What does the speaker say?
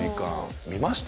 見ました？